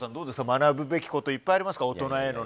学ぶべきこといっぱいありますか？